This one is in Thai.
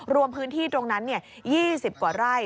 รวมพื้นที่ตรงนั้น๒๐กว่าไร่